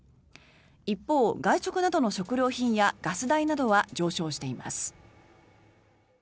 一方、外食などの食料品やガス代などは上昇しています。